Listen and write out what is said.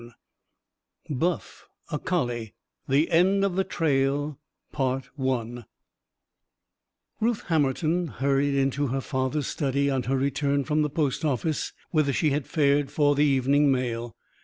CHAPTER FOUR: THE END OF THE TRAIL Ruth Hammerton hurried into her father's study on her return from the post office, whither she had fared for the evening mail.